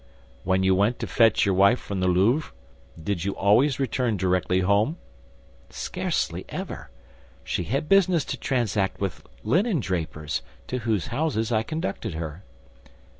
"When you went to fetch your wife from the Louvre, did you always return directly home?" "Scarcely ever; she had business to transact with linen drapers, to whose houses I conducted her."